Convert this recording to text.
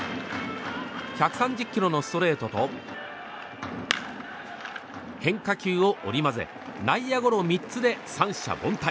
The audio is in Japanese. １３０キロのストレートと変化球を織り交ぜ内野ゴロ３つで三者凡退。